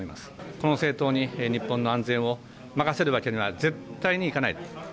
この政党に日本の安全を任せるわけには絶対にいかない。